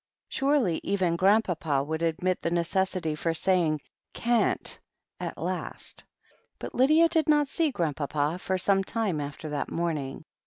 Surely even Grandpapa would admit the necessity for saying "can't" at last But Lydia did not see Grandpapa for some time after that morning.